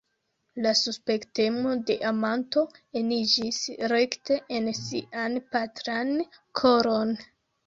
La suspektemo de amanto eniĝis rekte en sian patran koron.